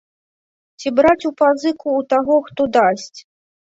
Ці браць у пазыку ў таго, хто дасць.